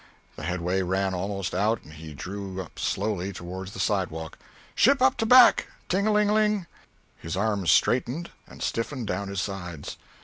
The headway ran almost out, and he drew up slowly toward the sidewalk. "Ship up to back! Ting a ling ling!" His arms straightened and stiffened down his sides.